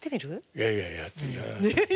「いやいやいや」。